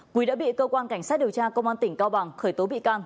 quý đã bị cơ quan cảnh sát điều tra công an tỉnh cao bằng khởi tố bị can